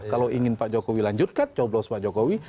kalau ingin pak jokowi lanjutkan coblos pak jokowi